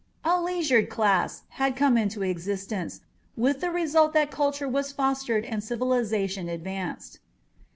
A leisured class had come into existence, with the result that culture was fostered and civilization advanced.